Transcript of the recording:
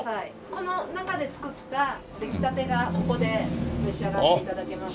この中で造った出来たてがここで召し上がって頂けます。